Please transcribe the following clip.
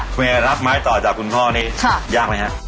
คุณเอรับไม้ต่อจากคุณพ่อนี้ยากไหมฮะ